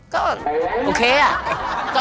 ก็โอเคอะ